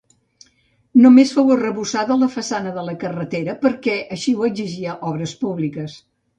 Només fou arrebossada la façana de la carretera perquè així ho exigia Obres Públiques.